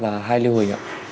và hai liu hồi